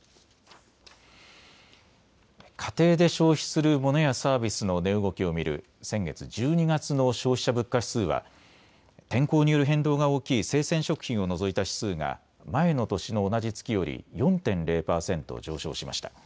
家庭で消費するモノやサービスの値動きを見る先月、１２月の消費者物価指数は天候による変動が大きい生鮮食品を除いた指数が前の年の同じ月より４．０％上昇しました。